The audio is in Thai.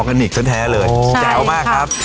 กันนิกแท้เลยแจ๋วมากครับ